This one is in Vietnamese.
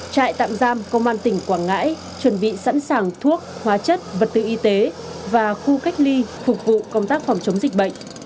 trại tạm giam công an tỉnh quảng ngãi chuẩn bị sẵn sàng thuốc hóa chất vật tư y tế và khu cách ly phục vụ công tác phòng chống dịch bệnh